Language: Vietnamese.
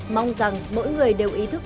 mong rằng mỗi người đều ý thức